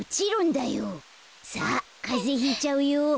さあかぜひいちゃうよ。